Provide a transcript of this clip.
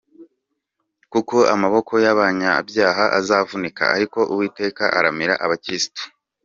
Kuko amaboko y’abanyabyaha azavunika, Ariko Uwiteka aramira abakiranutsi.